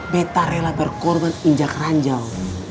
beta rela berkorban injak ranjau